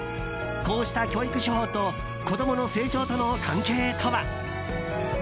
こうした教育手法と子供の成長との関係とは。